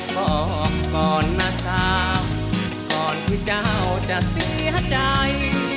บอกก่อนนะสาวก่อนที่เจ้าจะเสียใจ